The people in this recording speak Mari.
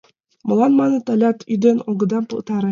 — Молан, — маныт, — алят ӱден огыда пытаре?